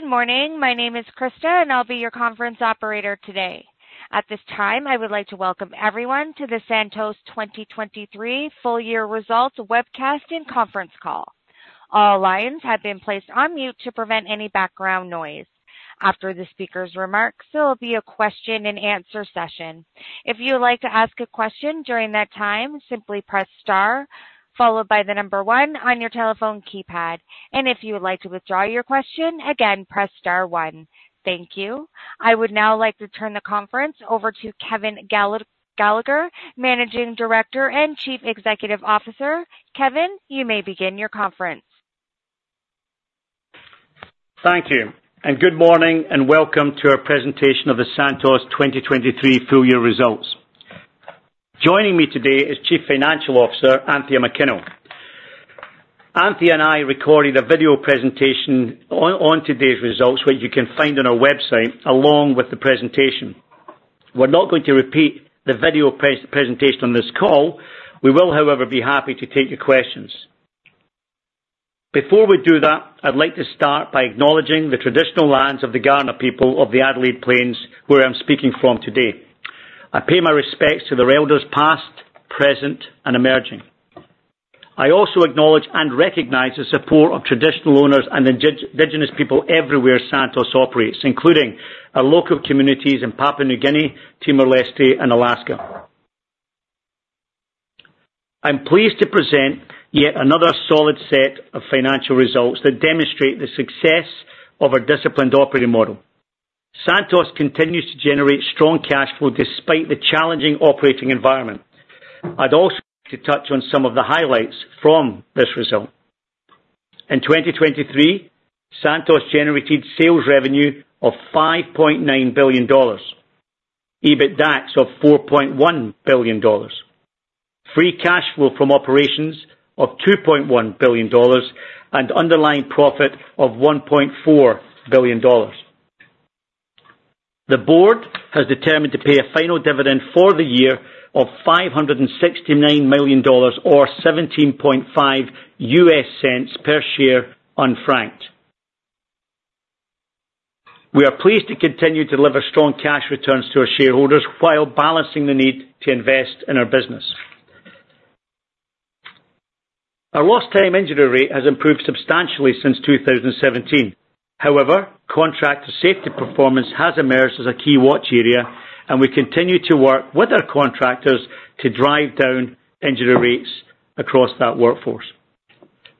Good morning. My name is Krista, and I'll be your conference operator today. At this time, I would like to welcome everyone to the Santos 2023 full year results webcast and conference call. All lines have been placed on mute to prevent any background noise. After the speaker's remarks, there will be a question-and-answer session. If you would like to ask a question during that time, simply press *, followed by the number one on your telephone keypad. If you would like to withdraw your question, again, press * one. Thank you. I would now like to turn the conference over to Kevin Gallagher, Managing Director and Chief Executive Officer. Kevin, you may begin your conference. Thank you, and good morning, and welcome to our presentation of the Santos 2023 full year results. Joining me today is Chief Financial Officer Anthea McKinnell. Anthea and I recorded a video presentation on today's results, which you can find on our website, along with the presentation. We're not going to repeat the video presentation on this call. We will, however, be happy to take your questions. Before we do that, I'd like to start by acknowledging the traditional lands of the Kaurna people of the Adelaide Plains, where I'm speaking from today. I pay my respects to their elders past, present, and emerging. I also acknowledge and recognize the support of traditional owners and Indigenous people everywhere Santos operates, including our local communities in Papua New Guinea, Timor-Leste, and Alaska. I'm pleased to present yet another solid set of financial results that demonstrate the success of our disciplined operating model. Santos continues to generate strong cash flow despite the challenging operating environment. I'd also like to touch on some of the highlights from this result. In 2023, Santos generated sales revenue of $5.9 billion, EBITDAX of $4.1 billion, free cash flow from operations of $2.1 billion, and underlying profit of $1.4 billion. The board has determined to pay a final dividend for the year of $569 million or $0.175 per share unfranked. We are pleased to continue to deliver strong cash returns to our shareholders while balancing the need to invest in our business. Our lost time injury rate has improved substantially since 2017. However, contractor safety performance has emerged as a key watch area, and we continue to work with our contractors to drive down injury rates across that workforce.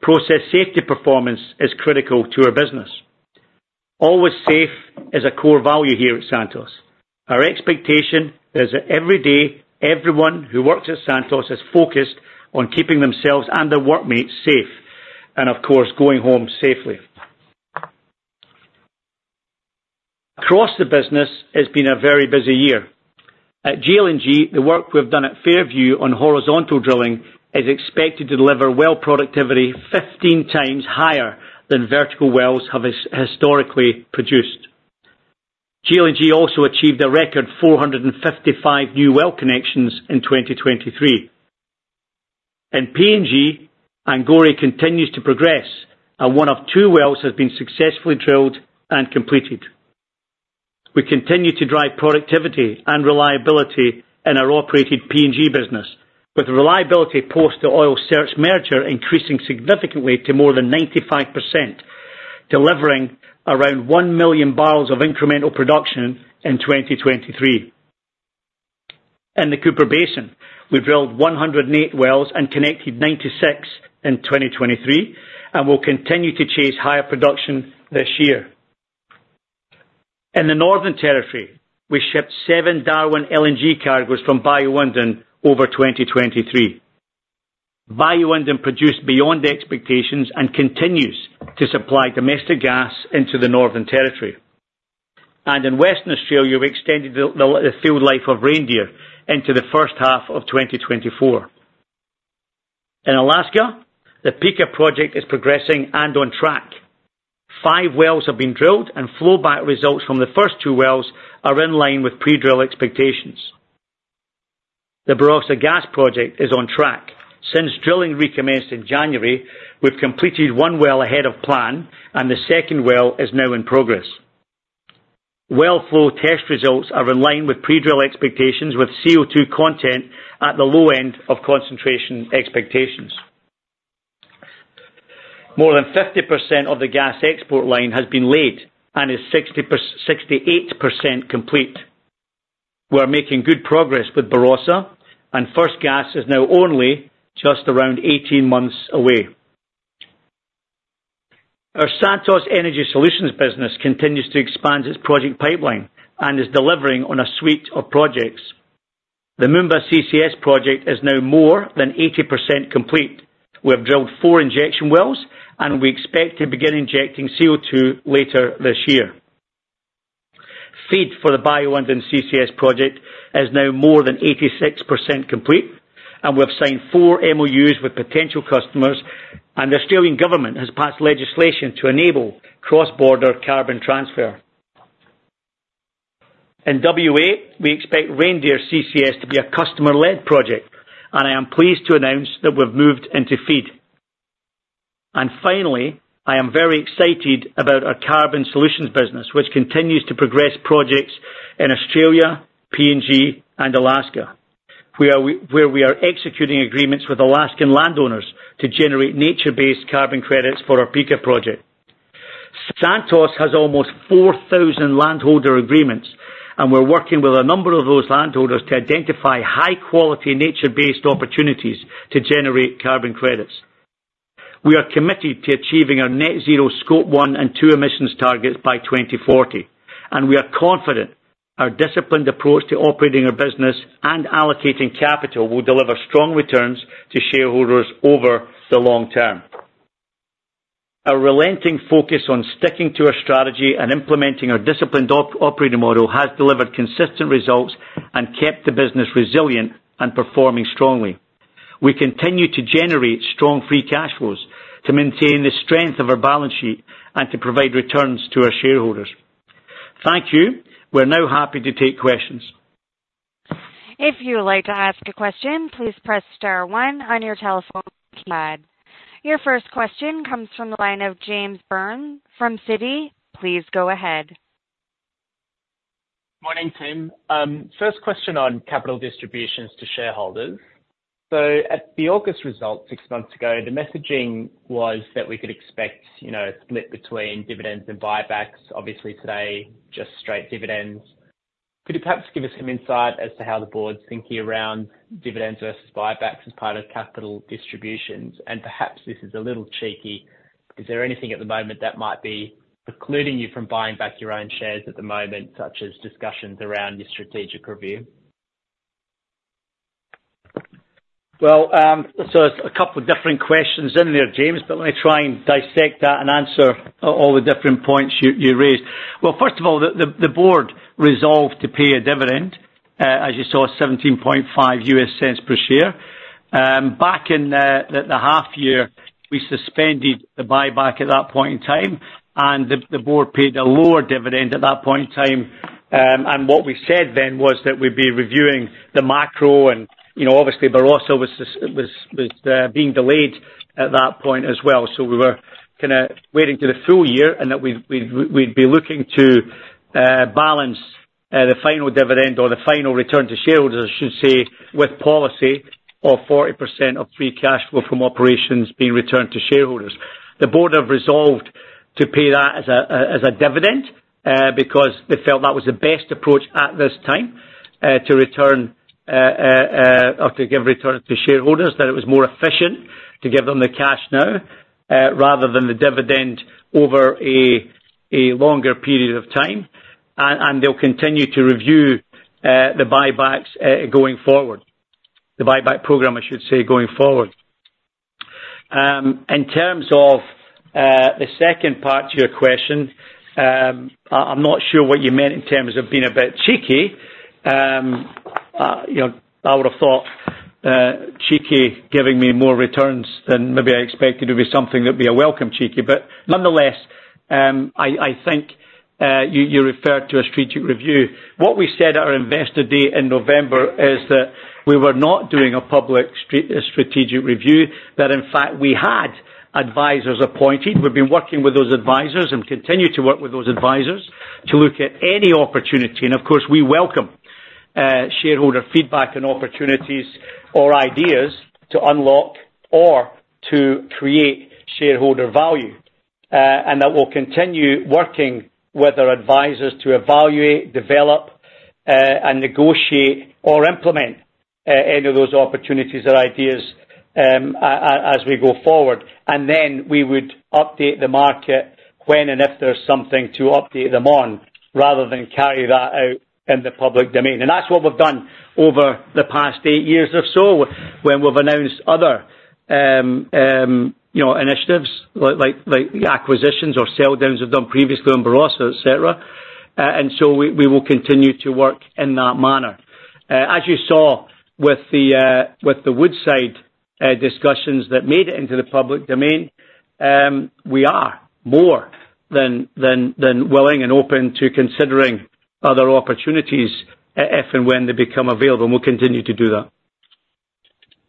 Process safety performance is critical to our business. Always safe is a core value here at Santos. Our expectation is that every day, everyone who works at Santos is focused on keeping themselves and their workmates safe, and of course, going home safely. Across the business, it's been a very busy year. At GLNG, the work we've done at Fairview on horizontal drilling is expected to deliver well productivity 15 times higher than vertical wells have historically produced. GLNG also achieved a record 455 new well connections in 2023. In PNG, Angore continues to progress, and one of two wells has been successfully drilled and completed. We continue to drive productivity and reliability in our operated PNG business, with reliability post the Oil Search merger increasing significantly to more than 95%, delivering around 1 million barrels of incremental production in 2023. In the Cooper Basin, we drilled 108 wells and connected 96 in 2023, and we'll continue to chase higher production this year. In the Northern Territory, we shipped seven Darwin LNG cargos from Bayu-Undan over 2023. Bayu-Undan produced beyond expectations and continues to supply domestic gas into the Northern Territory. In Western Australia, we extended the field life of Reindeer into the first half of 2024. In Alaska, the Pikka project is progressing and on track. 5 wells have been drilled, and flowback results from the first 2 wells are in line with pre-drill expectations. The Barossa Gas project is on track. Since drilling recommenced in January, we've completed 1 well ahead of plan, and the second well is now in progress. Well flow test results are in line with pre-drill expectations, with CO2 content at the low end of concentration expectations. More than 50% of the gas export line has been laid and is 68% complete. We're making good progress with Barossa, and first gas is now only just around 18 months away. Our Santos Energy Solutions business continues to expand its project pipeline and is delivering on a suite of projects. The Moomba CCS project is now more than 80% complete. We have drilled 4 injection wells, and we expect to begin injecting CO2 later this year. FEED for the Bayu-Undan CCS project is now more than 86% complete, and we've signed four MOUs with potential customers, and the Australian government has passed legislation to enable cross-border carbon transfer. In WA, we expect Reindeer CCS to be a customer-led project, and I am pleased to announce that we've moved into feed. And finally, I am very excited about our carbon solutions business, which continues to progress projects in Australia, PNG, and Alaska, where we, where we are executing agreements with Alaskan landowners to generate nature-based carbon credits for our Pikka project. Santos has almost 4,000 landholder agreements, and we're working with a number of those landholders to identify high-quality, nature-based opportunities to generate carbon credits. We are committed to achieving our Net Zero (Scope 1 and 2) emissions targets by 2040, and we are confident our disciplined approach to operating our business and allocating capital will deliver strong returns to shareholders over the long term. Our relentless focus on sticking to our strategy and implementing our disciplined operating model has delivered consistent results and kept the business resilient and performing strongly. We continue to generate strong free cash flows to maintain the strength of our balance sheet and to provide returns to our shareholders. Thank you. We're now happy to take questions. If you would like to ask a question, please press * one on your telephone keypad. Your first question comes from the line of James Byrne from Citi. Please go ahead. Morning, Tim. First question on capital distributions to shareholders. So at the August results, six months ago, the messaging was that we could expect, you know, a split between dividends and buybacks. Obviously, today, just straight dividends. Could you perhaps give us some insight as to how the board's thinking around dividends versus buybacks as part of capital distributions? And perhaps this is a little cheeky: Is there anything at the moment that might be precluding you from buying back your own shares at the moment, such as discussions around your strategic review? Well, so it's a couple of different questions in there, James, but let me try and dissect that and answer all the different points you raised. Well, first of all, the board resolved to pay a dividend, as you saw, $0.175 per share. Back in the half year, we suspended the buyback at that point in time, and the board paid a lower dividend at that point in time. And what we said then was that we'd be reviewing the macro and, you know, obviously, Barossa was just being delayed at that point as well. So we were kinda waiting to the full year, and that we'd be looking to balance the final dividend or the final return to shareholders, I should say, with policy of 40% of free cash flow from operations being returned to shareholders. The board have resolved to pay that as a dividend because they felt that was the best approach at this time to return or to give return to shareholders, that it was more efficient to give them the cash now rather than the dividend over a longer period of time. And they'll continue to review the buybacks going forward. The buyback program, I should say, going forward. In terms of the second part to your question, I, I'm not sure what you meant in terms of being a bit cheeky. You know, I would've thought cheeky giving me more returns than maybe I expected would be something that'd be a welcome cheeky. But nonetheless, I think you referred to a strategic review. What we said at our investor day in November is that we were not doing a public strategic review, that in fact, we had advisors appointed. We've been working with those advisors and continue to work with those advisors to look at any opportunity, and of course, we welcome shareholder feedback and opportunities or ideas to unlock or to create shareholder value. and that we'll continue working with our advisors to evaluate, develop, and negotiate or implement any of those opportunities or ideas, as we go forward, and then we would update the market when and if there's something to update them on, rather than carry that out in the public domain. That's what we've done over the past eight years or so when we've announced other, you know, initiatives, like acquisitions or sell downs we've done previously on Barossa, et cetera. So we will continue to work in that manner. As you saw with the Woodside discussions that made it into the public domain, we are more than willing and open to considering other opportunities, if and when they become available, and we'll continue to do that.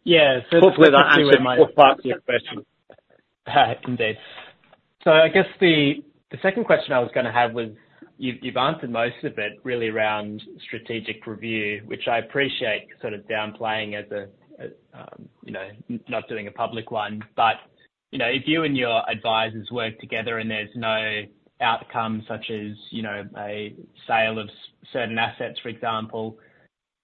Yeah, so- Hopefully that answered all parts of your question. Indeed. So I guess the second question I was gonna have was, you've answered most of it, really, around strategic review, which I appreciate sort of downplaying as a, you know, not doing a public one. But, you know, if you and your advisors work together and there's no outcome, such as, you know, a sale of certain assets, for example,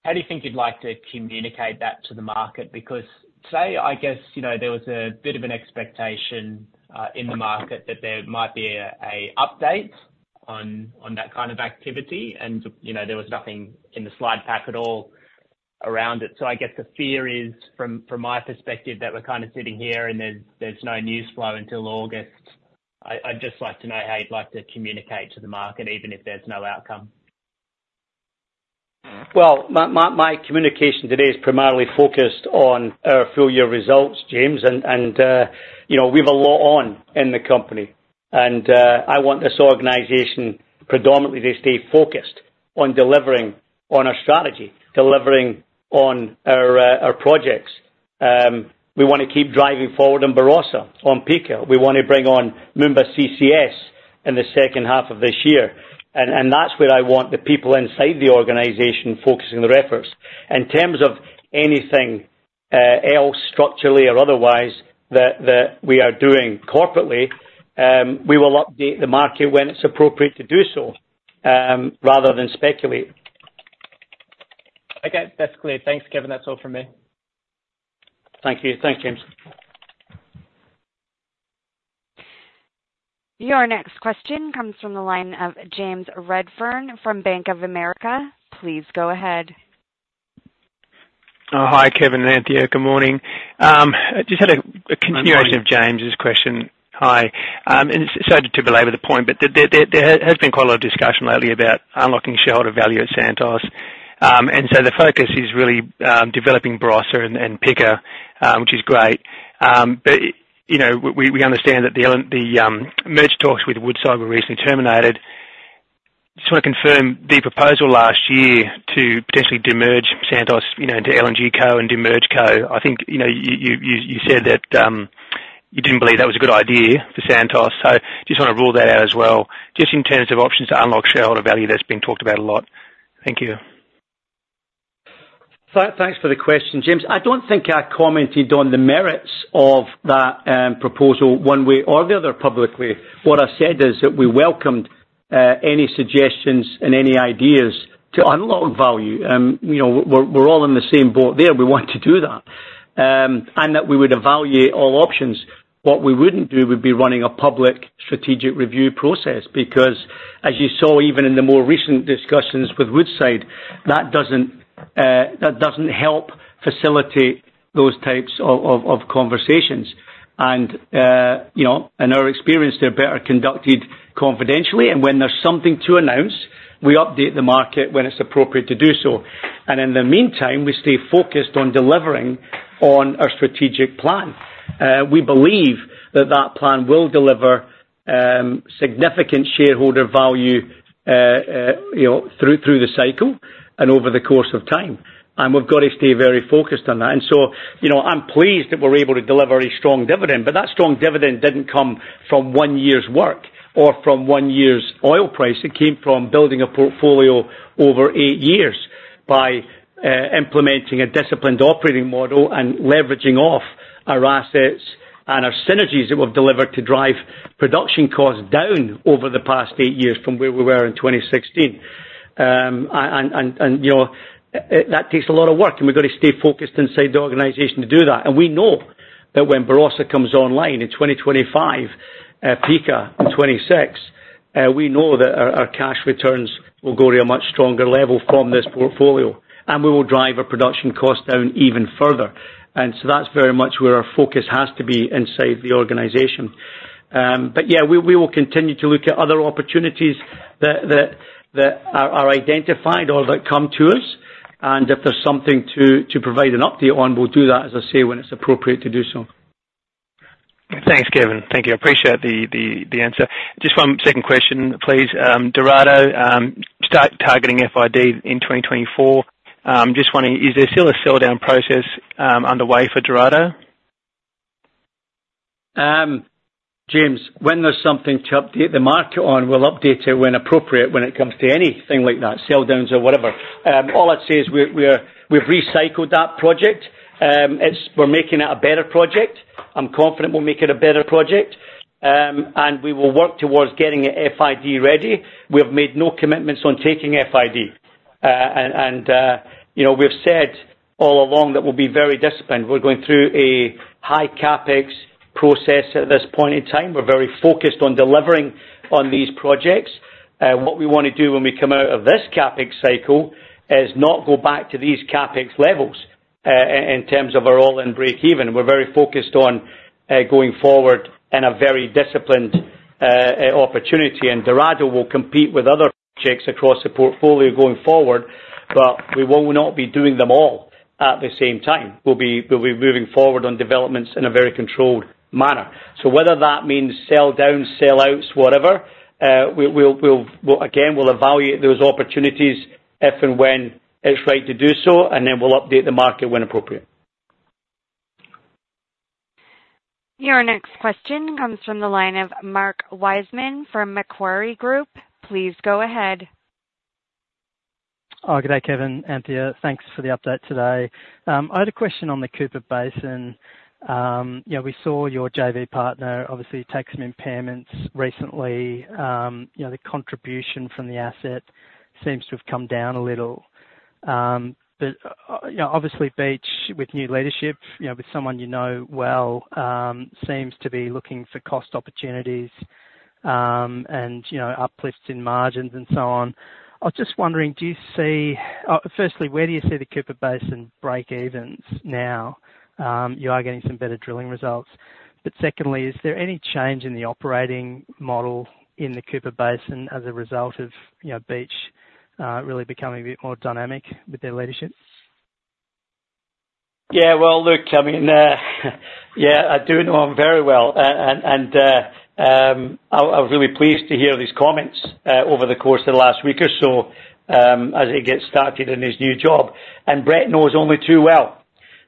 how do you think you'd like to communicate that to the market? Because today, I guess, you know, there was a bit of an expectation in the market that there might be a update on that kind of activity, and, you know, there was nothing in the slide pack at all around it. So I guess the fear is, from my perspective, that we're kind of sitting here, and there's no news flow until August. I'd just like to know how you'd like to communicate to the market, even if there's no outcome. Well, my communication today is primarily focused on our full year results, James. You know, we have a lot on in the company, and I want this organization predominantly to stay focused on delivering on our strategy, delivering on our projects. We want to keep driving forward on Barossa, on Pikka. We want to bring on Moomba CCS in the second half of this year. That's where I want the people inside the organization focusing their efforts. In terms of anything else, structurally or otherwise, that we are doing corporately, we will update the market when it's appropriate to do so, rather than speculate. Okay. That's clear. Thanks, Kevin. That's all from me. Thank you. Thanks, James. Your next question comes from the line of James Redfern from Bank of America. Please go ahead. Oh, hi, Kevin and Anthea. Good morning. I just had a- Good morning... continuation of James's question. Hi. And sorry to belabor the point, but there has been quite a lot of discussion lately about unlocking shareholder value at Santos. And so the focus is really developing Barossa and Pikka, which is great. But you know, we understand that the merger talks with Woodside were recently terminated. Just want to confirm, the proposal last year to potentially demerge Santos, you know, into LNG Co. and Demerge Co. I think, you know, you said that you didn't believe that was a good idea for Santos, so just want to rule that out as well, just in terms of options to unlock shareholder value that's being talked about a lot. Thank you. Thanks for the question, James. I don't think I commented on the merits of that, proposal one way or the other publicly. What I said is that we welcomed, any suggestions and any ideas to unlock value. You know, we're all in the same boat there. We want to do that. And that we would evaluate all options. What we wouldn't do would be running a public strategic review process. Because as you saw, even in the more recent discussions with Woodside, that doesn't help facilitate those types of conversations. And you know, in our experience, they're better conducted confidentially, and when there's something to announce, we update the market when it's appropriate to do so. And in the meantime, we stay focused on delivering on our strategic plan. We believe that that plan will deliver significant shareholder value, you know, through the cycle and over the course of time, and we've got to stay very focused on that. So, you know, I'm pleased that we're able to deliver a strong dividend, but that strong dividend didn't come from one year's work or from one year's oil price. It came from building a portfolio over eight years by implementing a disciplined operating model and leveraging off our assets and our synergies that we've delivered to drive production costs down over the past eight years from where we were in 2016. And, you know, that takes a lot of work, and we've got to stay focused inside the organization to do that. We know that when Barossa comes online in 2025, Pikka in 2026, we know that our cash returns will go to a much stronger level from this portfolio, and we will drive our production cost down even further. So that's very much where our focus has to be inside the organization. But yeah, we will continue to look at other opportunities that are identified or that come to us. And if there's something to provide an update on, we'll do that, as I say, when it's appropriate to do so. Thanks, Kevin. Thank you. I appreciate the answer. Just one second question, please. Dorado, start targeting FID in 2024. Just wondering, is there still a sell-down process underway for Dorado? James, when there's something to update the market on, we'll update it when appropriate, when it comes to anything like that, sell downs or whatever. All I'd say is we've recycled that project. We're making it a better project. I'm confident we'll make it a better project. And we will work towards getting it FID ready. We have made no commitments on taking FID. And you know, we've said all along that we'll be very disciplined. We're going through a high CapEx process at this point in time. We're very focused on delivering on these projects. What we want to do when we come out of this CapEx cycle is not go back to these CapEx levels, in terms of our all-in breakeven. We're very focused on going forward in a very disciplined opportunity. Dorado will compete with other projects across the portfolio going forward, but we will not be doing them all at the same time. We'll be moving forward on developments in a very controlled manner. So whether that means sell downs, sellouts, whatever, we'll -- again, we'll evaluate those opportunities if and when it's right to do so, and then we'll update the market when appropriate. Your next question comes from the line of Mark Wiseman from Macquarie Group. Please go ahead. Oh, g'day, Kevin, Anthea. Thanks for the update today. I had a question on the Cooper Basin. You know, we saw your JV partner obviously take some impairments recently. You know, the contribution from the asset seems to have come down a little. But, you know, obviously, Beach, with new leadership, you know, with someone you know well, seems to be looking for cost opportunities, and, you know, uplifts in margins and so on. I was just wondering, do you see... Firstly, where do you see the Cooper Basin breakevens now? You are getting some better drilling results. But secondly, is there any change in the operating model in the Cooper Basin as a result of, you know, Beach, really becoming a bit more dynamic with their leadership? Yeah, well, look, I mean, yeah, I do know him very well. And, I was really pleased to hear these comments over the course of the last week or so, as he gets started in his new job. And Brett knows only too well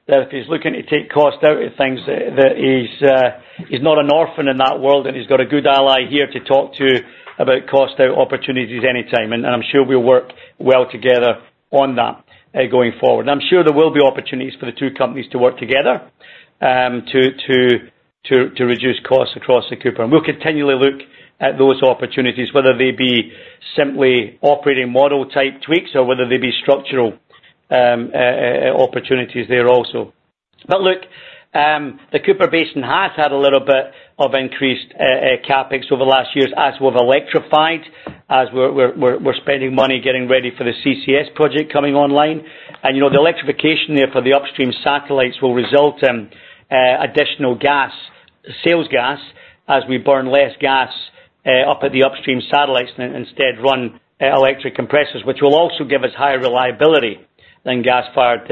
that if he's looking to take cost out of things, that he's not an orphan in that world, and he's got a good ally here to talk to about cost out opportunities anytime. And, and I'm sure we'll work well together on that, going forward. And I'm sure there will be opportunities for the two companies to work together, to reduce costs across the Cooper. And we'll continually look at those opportunities, whether they be simply operating model type tweaks or whether they be structural opportunities there also. But look, the Cooper Basin has had a little bit of increased CapEx over the last years, as we've electrified, as we're spending money getting ready for the CCS project coming online. And, you know, the electrification there for the upstream satellites will result in additional gas, sales gas, as we burn less gas up at the upstream satellites, and instead run electric compressors, which will also give us higher reliability than gas-fired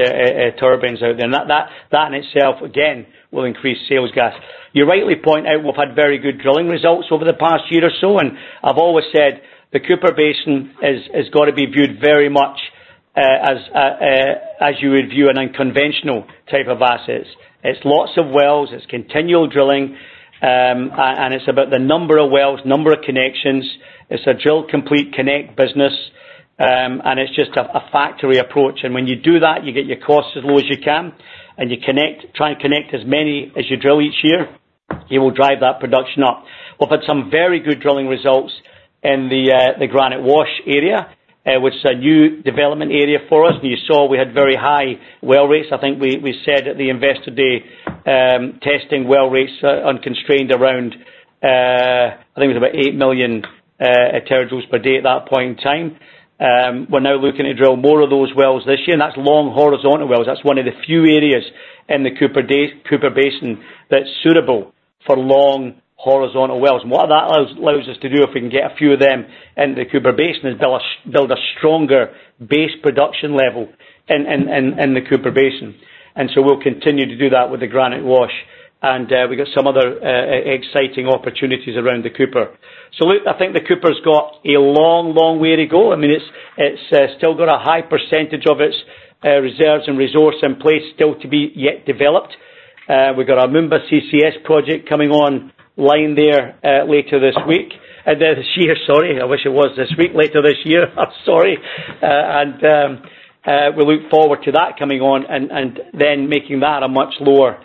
turbines out there. And that in itself, again, will increase sales gas. You rightly point out we've had very good drilling results over the past year or so, and I've always said the Cooper Basin is gotta be viewed very much as you would view an unconventional type of assets. It's lots of wells, it's continual drilling, and it's about the number of wells, number of connections. It's a drill, complete connect business, and it's just a factory approach. And when you do that, you get your costs as low as you can, and you connect, try and connect as many as you drill each year, you will drive that production up. We've had some very good drilling results in the Granite Wash area, which is a new development area for us. And you saw we had very high well rates. I think we said at the Investor Day, testing well rates, unconstrained around, I think it was about 8 million terajoules per day at that point in time. We're now looking to drill more of those wells this year, and that's long horizontal wells. That's one of the few areas in the Cooper Basin that's suitable for long horizontal wells. And what that allows us to do, if we can get a few of them in the Cooper Basin, is build a stronger base production level in the Cooper Basin. And so we'll continue to do that with the Granite Wash. And we've got some other exciting opportunities around the Cooper. So look, I think the Cooper's got a long, long way to go. I mean, it's still got a high percentage of its reserves and resource in place still to be yet developed. We've got our Moomba CCS project coming online there later this week this year, sorry! I wish it was this week, later this year. I'm sorry. We look forward to that coming on and then making that a much lower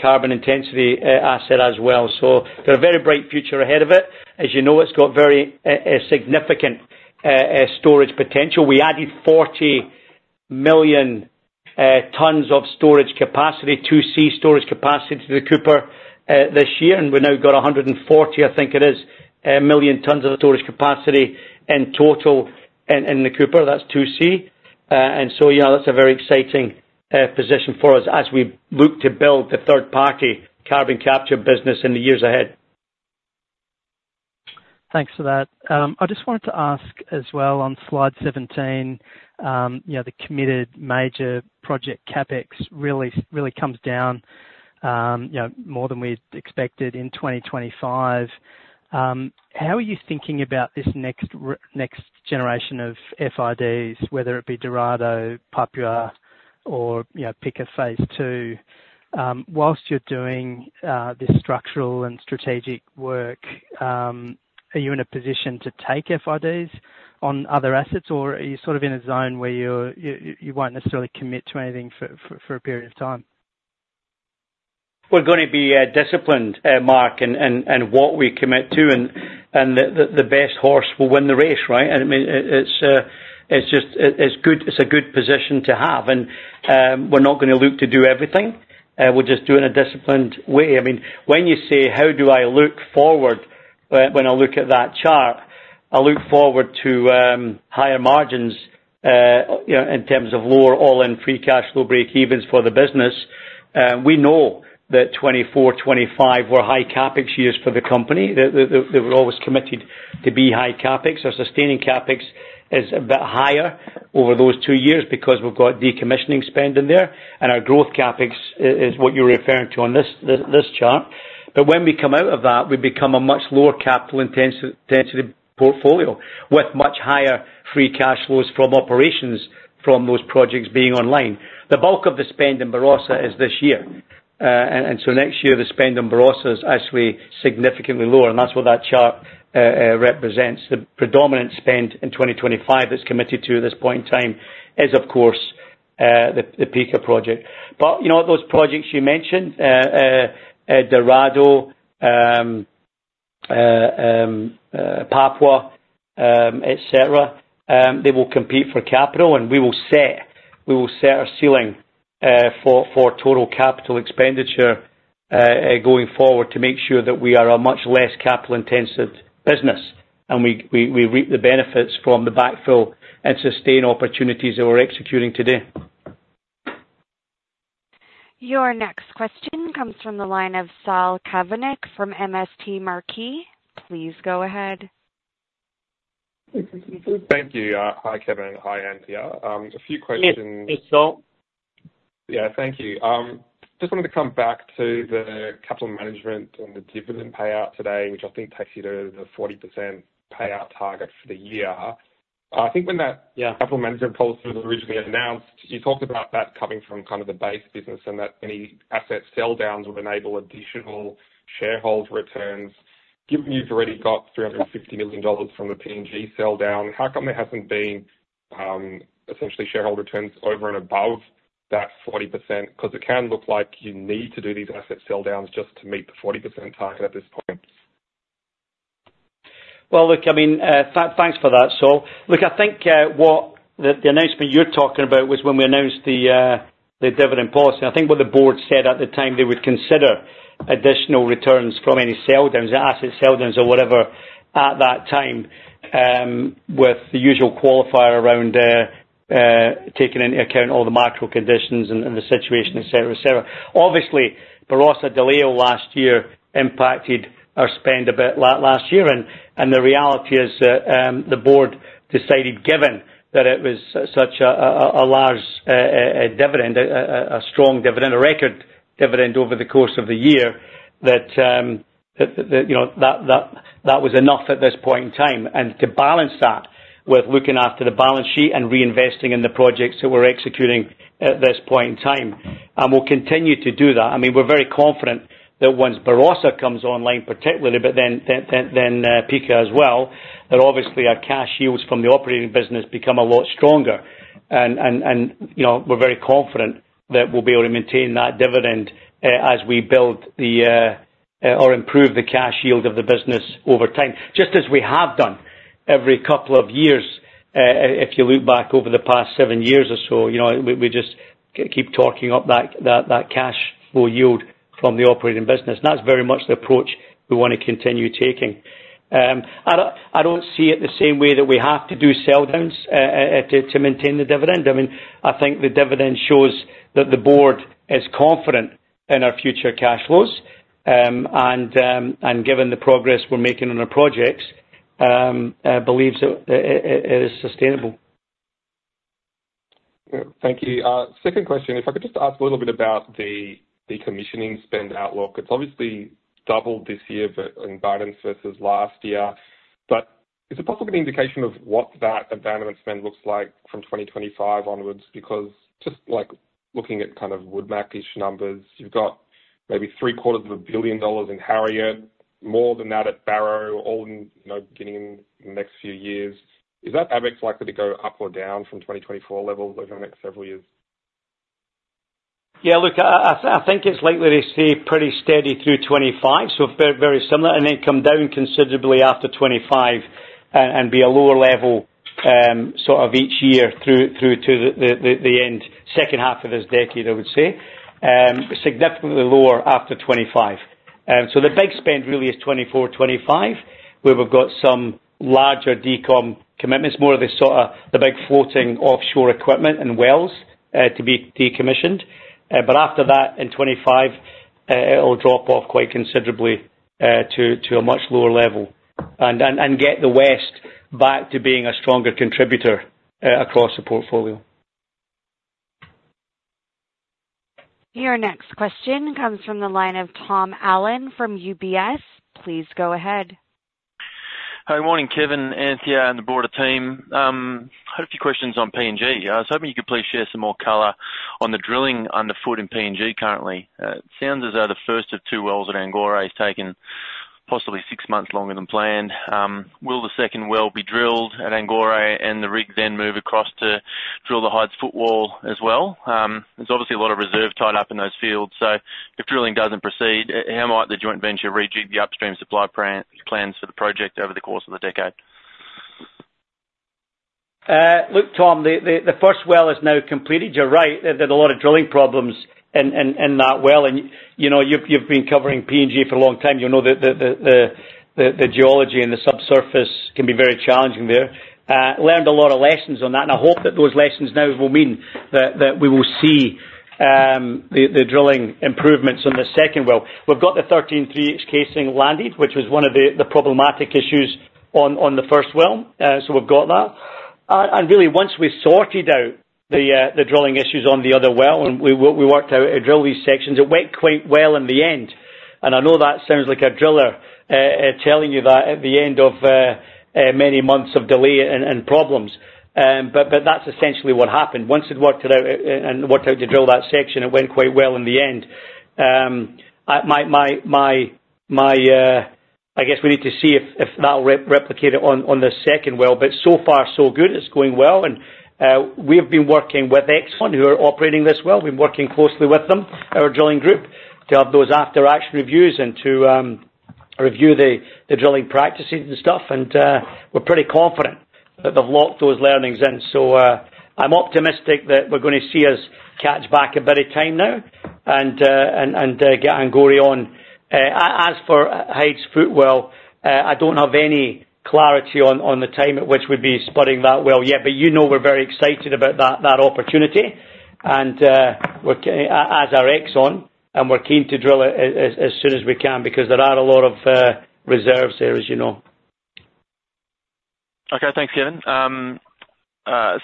carbon intensity asset as well. So got a very bright future ahead of it. As you know, it's got very significant storage potential. We added 40 million tons of storage capacity, 2C storage capacity to the Cooper this year, and we've now got 140, I think it is, million tons of storage capacity in total in the Cooper. That's 2C. And so, you know, that's a very exciting position for us as we look to build the third-party carbon capture business in the years ahead. Thanks for that. I just wanted to ask as well, on slide 17, you know, the committed major project CapEx really, really comes down, you know, more than we expected in 2025. How are you thinking about this next generation of FIDs, whether it be Dorado, Papua or, you know, Pikka Phase Two? While you're doing this structural and strategic work, are you in a position to take FIDs on other assets, or are you sort of in a zone where you won't necessarily commit to anything for a period of time? We're gonna be disciplined, Mark, in what we commit to, and the best horse will win the race, right? And I mean, it's just, it's good, it's a good position to have. And we're not gonna look to do everything. We'll just do it in a disciplined way. I mean, when you say, how do I look forward when I look at that chart, I look forward to higher margins, you know, in terms of lower all-in free cash flow breakevens for the business. We know that 2024, 2025 were high CapEx years for the company. They were always committed to be high CapEx. Our sustaining CapEx is a bit higher over those two years because we've got decommissioning spend in there, and our growth CapEx is what you're referring to on this chart. But when we come out of that, we become a much lower capital intensity portfolio, with much higher free cash flows from operations from those projects being online. The bulk of the spend in Barossa is this year. And so next year, the spend on Barossa is actually significantly lower, and that's what that chart represents. The predominant spend in 2025 that's committed to at this point in time is, of course, the Pikka project. But, you know, those projects you mentioned, Dorado, Papua, et cetera, they will compete for capital, and we will set, we will set a ceiling for total capital expenditure going forward, to make sure that we are a much less capital-intensive business, and we reap the benefits from the backfill and sustain opportunities that we're executing today. Your next question comes from the line of Saul Kavonic from MST Marquee. Please go ahead.... Thank you. Hi, Kevin. Hi, Anthea. A few questions- Yes, it's Saul. Yeah, thank you. Just wanted to come back to the capital management and the dividend payout today, which I think takes you to the 40% payout target for the year. I think when that Capital management policy was originally announced, you talked about that coming from kind of the base business and that any asset sell downs would enable additional shareholder returns. Given you've already got $350 million from the PNG sell down, how come there hasn't been, essentially, shareholder returns over and above that 40%? 'Cause it can look like you need to do these asset sell downs just to meet the 40% target at this point. Well, look, I mean, thanks for that, Saul. Look, I think what the announcement you're talking about was when we announced the dividend policy. I think what the board said at the time, they would consider additional returns from any sell downs, asset sell downs or whatever, at that time, with the usual qualifier around taking into account all the macro conditions and the situation, et cetera, et cetera. Obviously, Barossa and Dorado last year impacted our spend a bit last year, and the reality is that the board decided, given that it was such a large dividend, a strong dividend, a record dividend over the course of the year, that you know, that was enough at this point in time. And to balance that with looking after the balance sheet and reinvesting in the projects that we're executing at this point in time, and we'll continue to do that. I mean, we're very confident that once Barossa comes online, particularly, but then Pikka as well, that obviously our cash yields from the operating business become a lot stronger. And, you know, we're very confident that we'll be able to maintain that dividend, as we build or improve the cash yield of the business over time, just as we have done every couple of years. If you look back over the past seven years or so, you know, we just keep talking up that cash flow yield from the operating business. And that's very much the approach we wanna continue taking. I don't see it the same way that we have to do sell downs to maintain the dividend. I mean, I think the dividend shows that the board is confident in our future cash flows. And given the progress we're making on our projects, I believe it is sustainable. Thank you. Second question, if I could just ask a little bit about the decommissioning spend outlook. It's obviously doubled this year, but in guidance versus last year. But is it possible to get an indication of what that abandonment spend looks like from 2025 onwards? Because just, like, looking at kind of Woodmac-ish numbers, you've got maybe $750 million in Harriet, more than that at Barrow, all in, you know, beginning in the next few years. Is that CapEx likely to go up or down from 2024 levels over the next several years? Yeah, look, I think it's likely to stay pretty steady through 2025, so very similar, and then come down considerably after 2025, and be a lower level, sort of each year through to the end, second half of this decade, I would say. Significantly lower after 2025. So the big spend really is 2024, 2025, where we've got some larger decom commitments, more of the sort of the big floating offshore equipment and wells to be decommissioned. But after that, in 2025, it'll drop off quite considerably to a much lower level, and get the West back to being a stronger contributor across the portfolio. Your next question comes from the line of Tom Allen from UBS. Please go ahead. Hi. Morning, Kevin, Anthea, and the broader team. A few questions on PNG. I was hoping you could please share some more color on the drilling underfoot in PNG currently. It sounds as though the first of two wells at Angore has taken possibly six months longer than planned. Will the second well be drilled at Angore, and the rig then move across to drill the Hides Footwall as well? There's obviously a lot of reserve tied up in those fields, so if drilling doesn't proceed, how might the joint venture rejig the upstream supply plans for the project over the course of the decade? Look, Tom, the first well is now completed. You're right, there's a lot of drilling problems in that well, and, you know, you've been covering PNG for a long time. You know, the geology and the subsurface can be very challenging there. Learned a lot of lessons on that, and I hope that those lessons now will mean that we will see the drilling improvements on the second well. We've got the 13 3/8 casing landed, which was one of the problematic issues on the first well. So we've got that. And really, once we sorted out the drilling issues on the other well, and we worked out to drill these sections, it went quite well in the end. And I know that sounds like a driller telling you that at the end of many months of delay and problems. But that's essentially what happened. Once it worked out and worked out to drill that section, it went quite well in the end. I guess we need to see if that'll replicate it on the second well, but so far, so good. It's going well, and we have been working with Exxon, who are operating this well. We've been working closely with them, our drilling group, to have those after-action reviews and to review the drilling practices and stuff. And we're pretty confident that they've locked those learnings in. So, I'm optimistic that we're gonna see us catch back a bit of time now and get Angore on. As for Hides field well, I don't have any clarity on the time at which we'd be spudding that well yet, but you know we're very excited about that opportunity. And, as are Exxon, and we're keen to drill it as soon as we can, because there are a lot of reserves there, as you know. Okay, thanks, Kevin.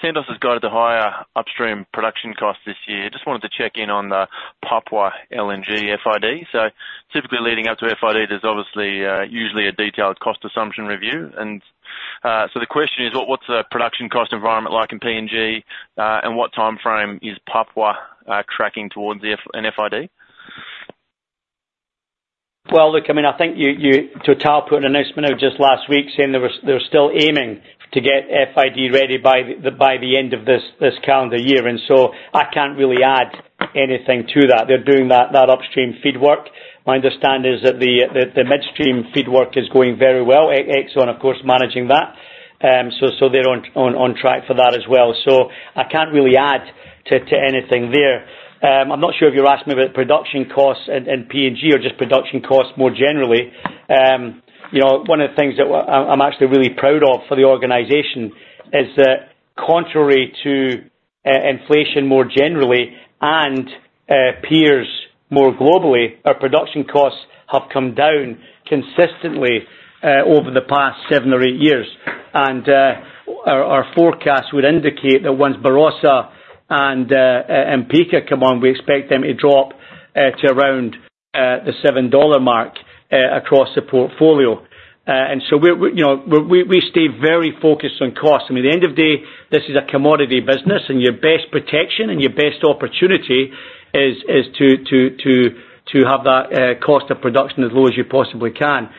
Santos has guided the higher upstream production cost this year. Just wanted to check in on the Papua LNG FID. So typically leading up to FID, there's obviously usually a detailed cost assumption review. And so the question is, what's the production cost environment like in PNG, and what time frame is Papua tracking towards the FID? Well, look, I mean, I think you Total put an announcement out just last week saying they're still aiming to get FID ready by the end of this calendar year, and so I can't really add anything to that. They're doing that upstream feed work. My understanding is that the midstream feed work is going very well. Exxon, of course, managing that. So they're on track for that as well. So I can't really add to anything there. I'm not sure if you're asking me about production costs and PNG or just production costs more generally. You know, one of the things that I, I'm actually really proud of for the organization is that contrary to inflation more generally and peers more globally, our production costs have come down consistently over the past 7 or 8 years. And our forecast would indicate that once Barossa and Mpeko come on, we expect them to drop to around the $7 mark across the portfolio. And so we're, you know, we stay very focused on cost. I mean, at the end of the day, this is a commodity business, and your best protection and your best opportunity is to have that cost of production as low as you possibly can.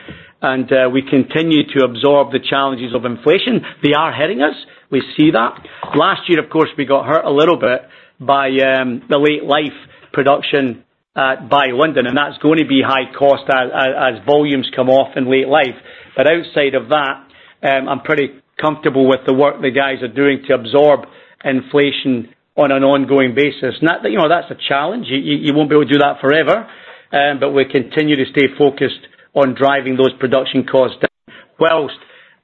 And we continue to absorb the challenges of inflation. They are hitting us. We see that. Last year, of course, we got hurt a little bit by the late life production by London, and that's going to be high cost as volumes come off in late life. But outside of that, I'm pretty comfortable with the work the guys are doing to absorb inflation on an ongoing basis. Not that... You know, that's a challenge. You won't be able to do that forever, but we continue to stay focused on driving those production costs down, while,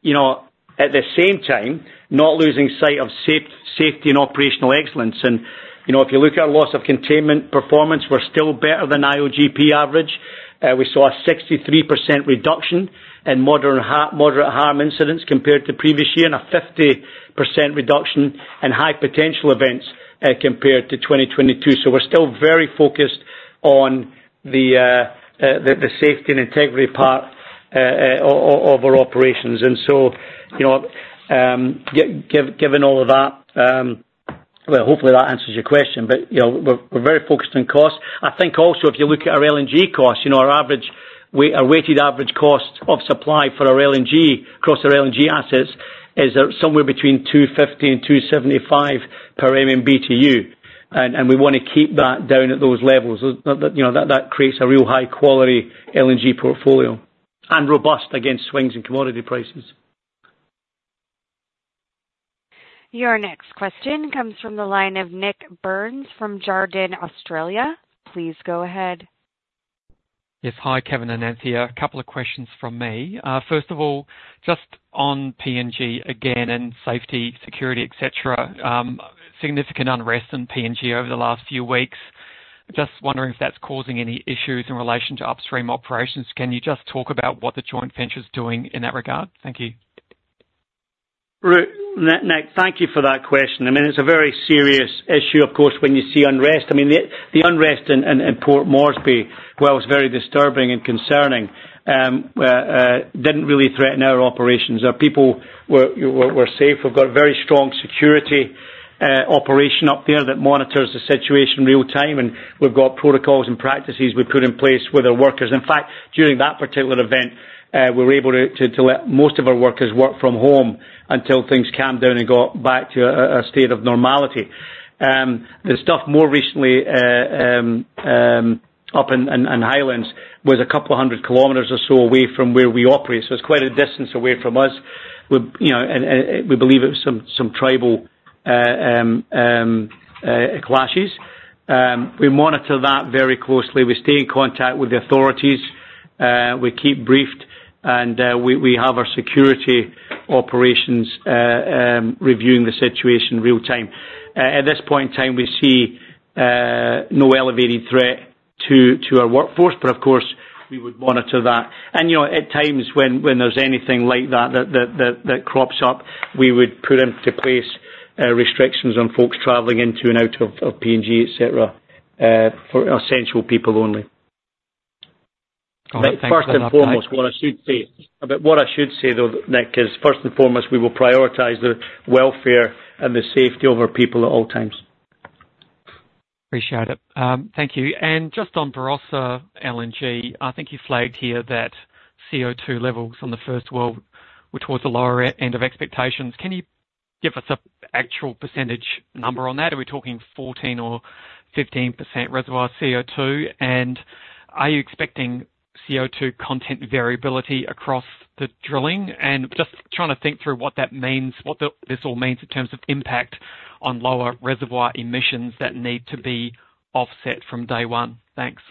you know, at the same time, not losing sight of safety and operational excellence. And, you know, if you look at our loss of containment performance, we're still better than IOGP average. We saw a 63% reduction in moderate harm incidents compared to previous year, and a 50% reduction in high potential events compared to 2022. So we're still very focused on the safety and integrity part of our operations. And so, you know, given all of that, well, hopefully, that answers your question. But, you know, we're very focused on cost. I think also, if you look at our LNG costs, you know, our weighted average cost of supply for our LNG, across our LNG assets is somewhere between $2.50 and $2.75 per MMBtu, and we wanna keep that down at those levels. So that creates a real high-quality LNG portfolio and robust against swings in commodity prices. Your next question comes from the line of Nick Burns from Jarden Australia. Please go ahead. Yes. Hi, Kevin and Anthea. A couple of questions from me. First of all, just on PNG again and safety, security, et cetera, significant unrest in PNG over the last few weeks. Just wondering if that's causing any issues in relation to upstream operations. Can you just talk about what the joint venture is doing in that regard? Thank you. Nick, thank you for that question. I mean, it's a very serious issue, of course, when you see unrest. I mean, the unrest in Port Moresby, while it's very disturbing and concerning, didn't really threaten our operations. Our people were safe. We've got a very strong security operation up there that monitors the situation real time, and we've got protocols and practices we put in place with our workers. In fact, during that particular event, we were able to let most of our workers work from home until things calmed down and got back to a state of normality. The stuff more recently up in Highlands was a couple of hundred kilometers or so away from where we operate, so it's quite a distance away from us. We, you know, and we believe it was some tribal clashes. We monitor that very closely. We stay in contact with the authorities, we keep briefed, and we have our security operations reviewing the situation real time. At this point in time, we see no elevated threat to our workforce, but of course, we would monitor that. And, you know, at times when there's anything like that that crops up, we would put into place restrictions on folks traveling into and out of PNG, et cetera, for essential people only. All right. Thanks very much- What I should say, though, Nick, is first and foremost, we will prioritize the welfare and the safety of our people at all times. Appreciate it. Thank you. And just on Barossa LNG, I think you flagged here that CO2 levels on the first well were towards the lower end of expectations. Can you give us a actual percentage number on that? Are we talking 14 or 15% reservoir CO2? And are you expecting CO2 content variability across the drilling? And just trying to think through what that means, what this all means in terms of impact on lower reservoir emissions that need to be offset from day one. Thanks....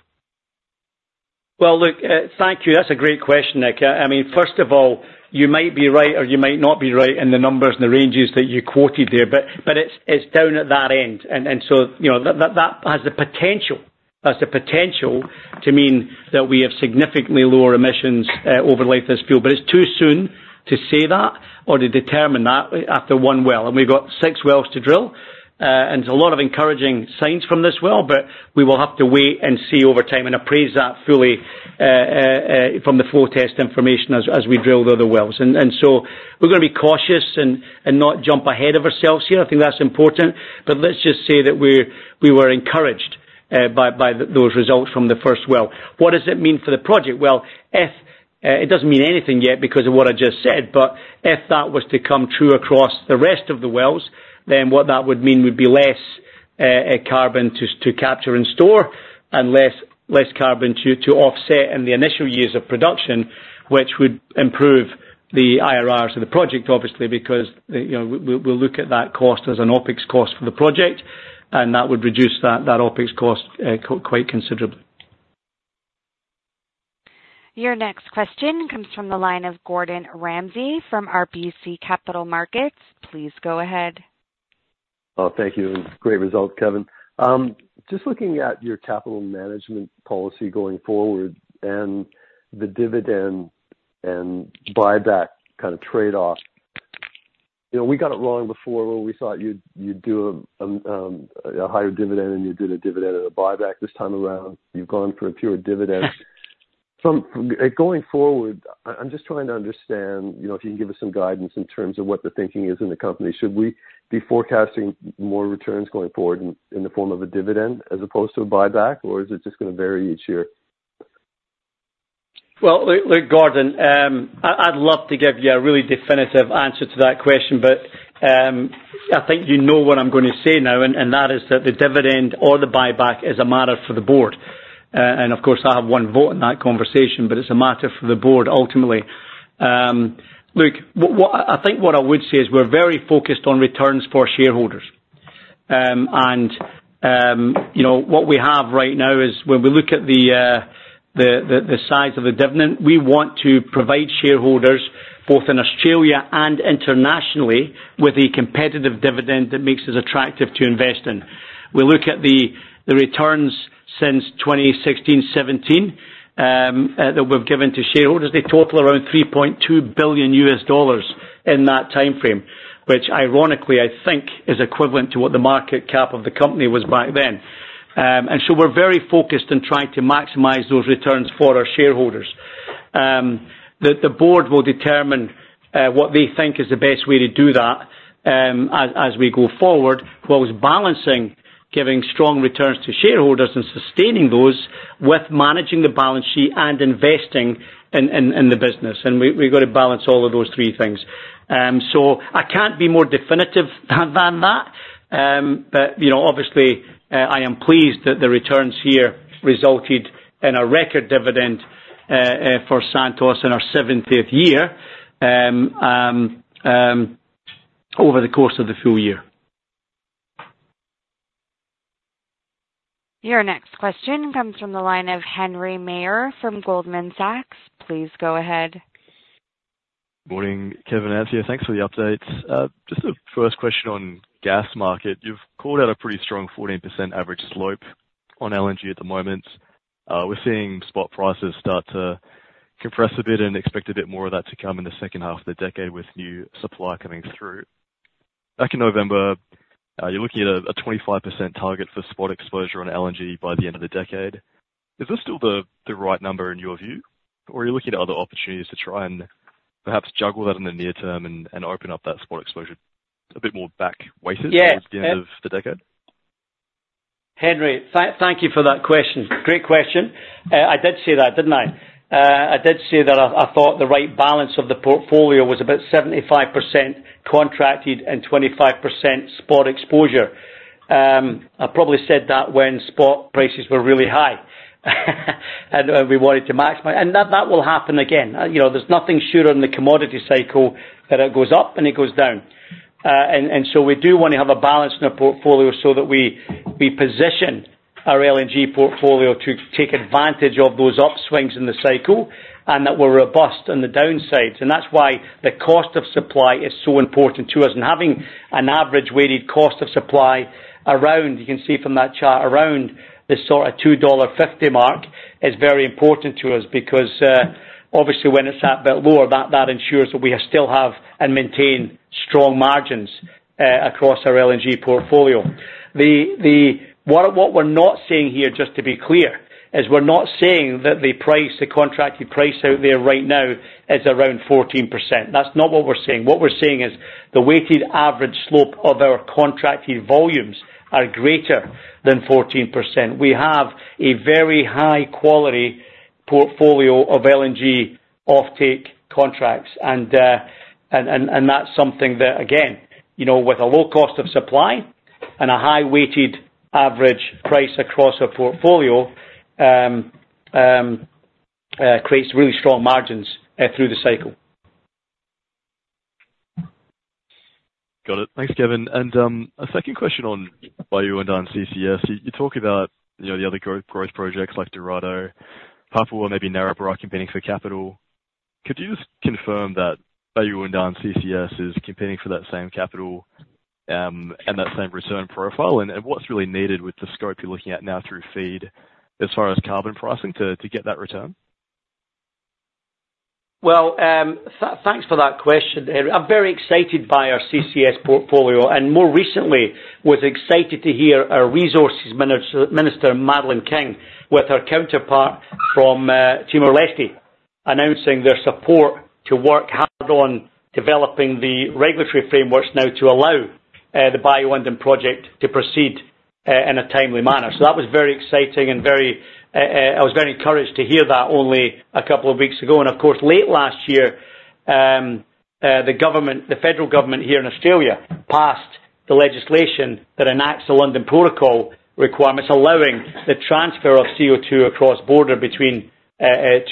Well, look, thank you. That's a great question, Nick. I mean, first of all, you might be right or you might not be right in the numbers and the ranges that you quoted there, but it's down at that end. And so, you know, that has the potential to mean that we have significantly lower emissions over life this field. But it's too soon to say that or to determine that after one well. And we've got six wells to drill, and there's a lot of encouraging signs from this well, but we will have to wait and see over time and appraise that fully from the full test information as we drill the other wells. And so we're gonna be cautious and not jump ahead of ourselves here. I think that's important. But let's just say that we were encouraged by those results from the first well. What does it mean for the project? Well, if it doesn't mean anything yet because of what I just said, but if that was to come true across the rest of the wells, then what that would mean would be less carbon to capture and store, and less carbon to offset in the initial years of production, which would improve the IRRs of the project, obviously, because you know, we'll look at that cost as an OpEx cost for the project, and that would reduce that OpEx cost quite considerably. Your next question comes from the line of Gordon Ramsay from RBC Capital Markets. Please go ahead. Well, thank you. Great result, Kevin. Just looking at your capital management policy going forward and the dividend and buyback kind of trade-off. You know, we got it wrong before where we thought you'd do a higher dividend, and you did a dividend and a buyback this time around. You've gone for a pure dividend. Going forward, I'm just trying to understand, you know, if you can give us some guidance in terms of what the thinking is in the company. Should we be forecasting more returns going forward in the form of a dividend as opposed to a buyback, or is it just gonna vary each year? Well, look, Gordon, I'd love to give you a really definitive answer to that question, but, I think you know what I'm gonna say now, and, and that is that the dividend or the buyback is a matter for the board. And of course, I have one vote in that conversation, but it's a matter for the board ultimately. Look, what I would say is we're very focused on returns for shareholders. And, you know, what we have right now is, when we look at the size of the dividend, we want to provide shareholders, both in Australia and internationally, with a competitive dividend that makes us attractive to invest in. We look at the returns since 2016, 2017, that we've given to shareholders. They total around $3.2 billion in that timeframe, which ironically, I think is equivalent to what the market cap of the company was back then. And so we're very focused on trying to maximize those returns for our shareholders. The board will determine what they think is the best way to do that, as we go forward, whilst balancing giving strong returns to shareholders and sustaining those, with managing the balance sheet and investing in the business, and we've got to balance all of those three things. So I can't be more definitive than that, but you know, obviously, I am pleased that the returns here resulted in a record dividend for Santos in our 70th year, over the course of the full year. Your next question comes from the line of Henry Meyer from Goldman Sachs. Please go ahead. Morning, Kevin, Anthea. Thanks for the updates. Just a first question on gas market. You've called out a pretty strong 14% average slope on LNG at the moment. We're seeing spot prices start to compress a bit and expect a bit more of that to come in the second half of the decade with new supply coming through. Back in November, you're looking at a 25% target for spot exposure on LNG by the end of the decade. Is this still the right number in your view? Or are you looking at other opportunities to try and perhaps juggle that in the near term and open up that spot exposure a bit more back weighted- Yeah - toward the end of the decade? Henry, thank you for that question. Great question. I did say that, didn't I? I did say that I thought the right balance of the portfolio was about 75% contracted and 25% spot exposure. I probably said that when spot prices were really high, and we wanted to maximize. And that will happen again. You know, there's nothing surer in the commodity cycle that it goes up and it goes down. And so we do want to have a balance in our portfolio so that we position our LNG portfolio to take advantage of those upswings in the cycle, and that we're robust on the downsides. And that's why the cost of supply is so important to us. Having an average weighted cost of supply around, you can see from that chart, around the sort of $2.50 mark, is very important to us because, obviously, when it's that bit lower, that ensures that we are still have and maintain strong margins across our LNG portfolio. What we're not saying here, just to be clear, is we're not saying that the price, the contracted price out there right now is around 14%. That's not what we're saying. What we're saying is the weighted average slope of our contracted volumes are greater than 14%. We have a very high quality portfolio of LNG offtake contracts, and that's something that, again, you know, with a low cost of supply and a high weighted average price across our portfolio, creates really strong margins, through the cycle.... Got it. Thanks, Kevin. And a second question on Bayu-Undan CCS. You talk about, you know, the other growth projects like Dorado, Papua, maybe Narrabri, competing for capital. Could you just confirm that Bayu-Undan CCS is competing for that same capital and that same return profile? And what's really needed with the scope you're looking at now through FEED, as far as carbon pricing, to get that return? Well, thanks for that question, Henry. I'm very excited by our CCS portfolio, and more recently, was excited to hear our Resources Minister Madeleine King, with her counterpart from Timor-Leste, announcing their support to work hard on developing the regulatory frameworks now to allow the Bayu-Undan project to proceed in a timely manner. So that was very exciting and very. I was very encouraged to hear that only a couple of weeks ago. And of course, late last year, the government, the federal government here in Australia, passed the legislation that enacts the London Protocol requirements, allowing the transfer of CO2 across borders between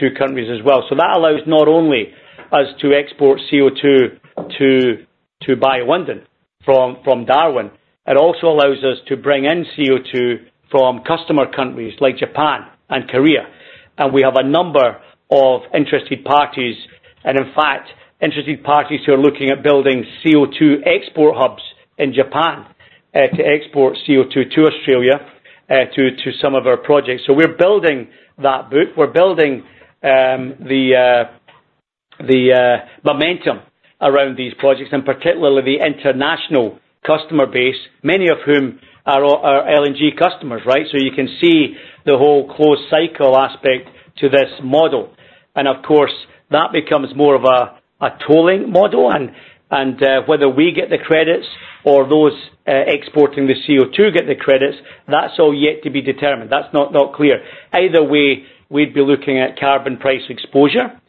two countries as well. So that allows not only us to export CO2 to Bayu-Undan from Darwin. It also allows us to bring in CO2 from customer countries like Japan and Korea. We have a number of interested parties, and in fact, interested parties who are looking at building CO2 export hubs in Japan to export CO2 to Australia to some of our projects. We're building the momentum around these projects, and particularly the international customer base, many of whom are LNG customers, right? You can see the whole closed cycle aspect to this model. Of course, that becomes more of a tolling model. Whether we get the credits or those exporting the CO2 get the credits, that's all yet to be determined. That's not clear. Either way, we'd be looking at carbon price exposure.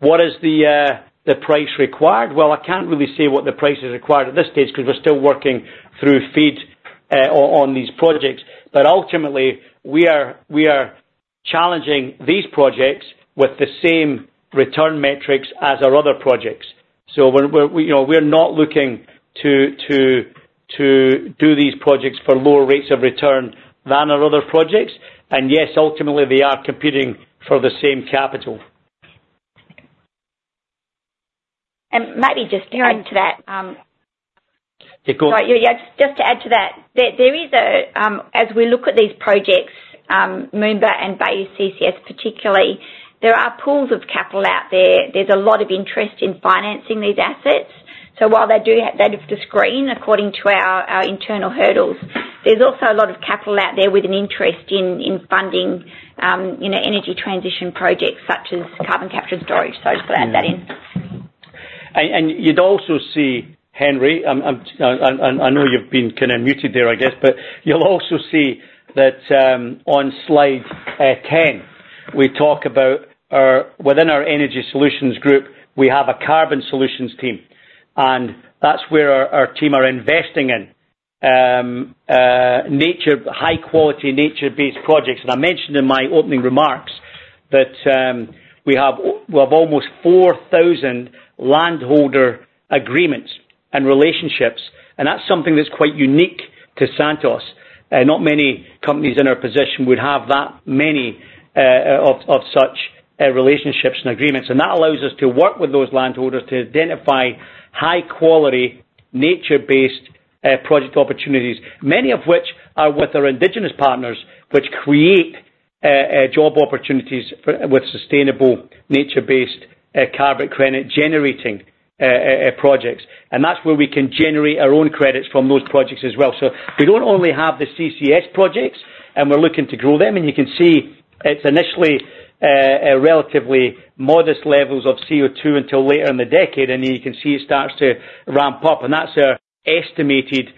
What is the price required? Well, I can't really say what the price is required at this stage, because we're still working through FEED on these projects. But ultimately, we are challenging these projects with the same return metrics as our other projects. So we're, you know, we're not looking to do these projects for lower rates of return than our other projects, and yes, ultimately, they are competing for the same capital. Maybe just to add to that, Yeah, go on. Right, yeah, yeah. Just to add to that, there is a... As we look at these projects, Moomba and Bayu-Undan CCS particularly, there are pools of capital out there. There's a lot of interest in financing these assets. So while they do have, they have to screen according to our internal hurdles, there's also a lot of capital out there with an interest in funding, you know, energy transition projects such as carbon capture and storage. So just to add that in. And you'd also see, Henry, and I know you've been kinda muted there, I guess, but you'll also see that, on slide 10, we talk about our... Within our energy solutions group, we have a carbon solutions team. And that's where our team are investing in nature, high-quality, nature-based projects. And I mentioned in my opening remarks that, we have almost 4,000 land holder agreements and relationships, and that's something that's quite unique to Santos. Not many companies in our position would have that many, of such relationships and agreements. And that allows us to work with those land holders to identify high-quality, nature-based, project opportunities, many of which are with our indigenous partners, which create, job opportunities for, with sustainable, nature-based, carbon credit-generating, projects. And that's where we can generate our own credits from those projects as well. So we don't only have the CCS projects, and we're looking to grow them, and you can see it's initially, a relatively modest levels of CO2 until later in the decade, and then you can see it starts to ramp up, and that's our estimated,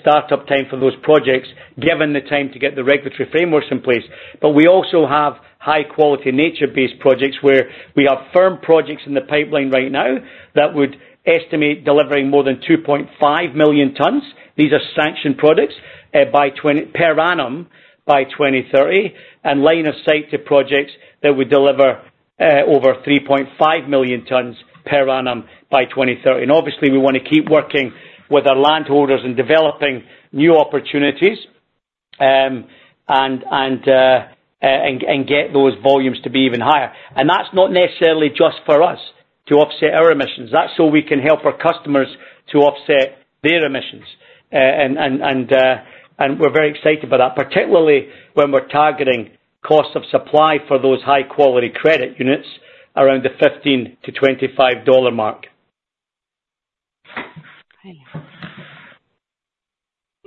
startup time for those projects, given the time to get the regulatory frameworks in place. But we also have high-quality, nature-based projects, where we have firm projects in the pipeline right now that would estimate delivering more than 2.5 million tons. These are sanctioned projects by 20% per annum by 2030, and line of sight to projects that would deliver over 3.5 million tons per annum by 2030. And obviously, we wanna keep working with our land holders in developing new opportunities, and get those volumes to be even higher. And that's not necessarily just for us to offset our emissions. That's so we can help our customers to offset their emissions. And we're very excited about that, particularly when we're targeting cost of supply for those high-quality credit units around the $15-$25 mark.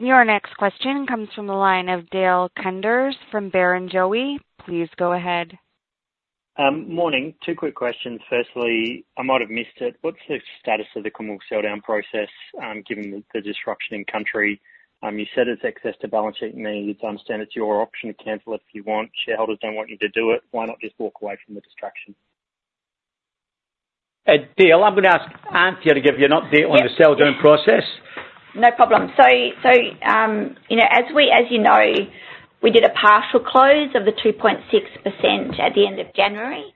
Your next question comes from the line of Dale Koenders from Barrenjoey. Please go ahead. Morning. Two quick questions. Firstly, I might have missed it, what's the status of the Commonwealth sell-down process, given the disruption in country? You said it's excess to balance sheet needs. I understand it's your option to cancel it if you want. Shareholders don't want you to do it, why not just walk away from the distraction? Dale, I'm gonna ask Anthea to give you an update on the sell-down process. ...No problem. You know, as you know, we did a partial close of the 2.6% at the end of January.